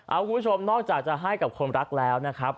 เอาคุณผู้ชมนอกจากจะให้กับคนรักแล้วนะครับ